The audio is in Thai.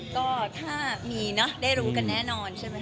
ก็ถ้ามีเนอะได้รู้กันแน่นอนใช่ไหม